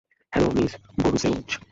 Hello, miss Borusewicz.